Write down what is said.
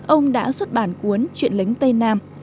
ông đã xuất bản cuốn chuyện lính tây nam